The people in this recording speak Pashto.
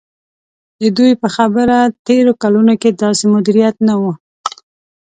د دوی په خبره تېرو کلونو کې داسې مدیریت نه و.